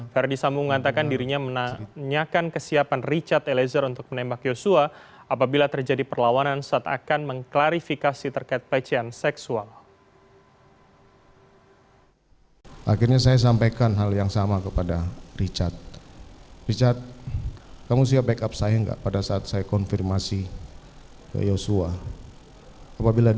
verdi sambu mengatakan dirinya menanyakan kesiapan richard elezer untuk menembak yosua apabila terjadi perlawanan saat akan mengklarifikasi terkait pelecehan seksual